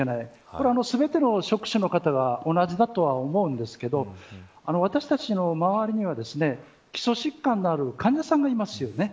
これは全ての職種の方が同じだとは思うんですけど私たちの周りにはですね基礎疾患のある患者さんもいますよね。